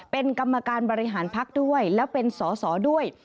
เป็นกรรมการบริหารพักด้วยแล้วเป็นสอสอด้วย